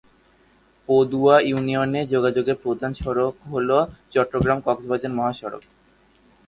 পদুয়া ইউনিয়নে যোগাযোগের প্রধান সড়ক হল চট্টগ্রাম-কক্সবাজার মহাসড়ক।